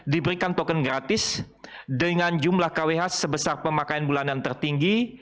diberikan token gratis dengan jumlah kwh sebesar pemakaian bulanan tertinggi